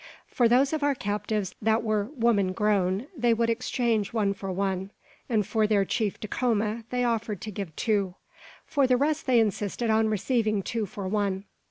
For those of our captives that were woman grown they would exchange one for one, and for their chief Dacoma they offered to give two; for the rest they insisted on receiving two for one.